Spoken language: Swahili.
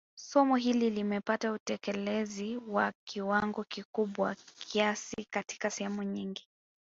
Somo hili limepata utekelezi wa kiwango kikubwa kiasi katika sehemu nyingi